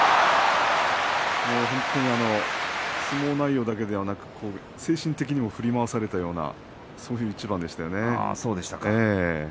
本当に相撲内容だけではなくて精神的にも振り回されたような一番でしたね。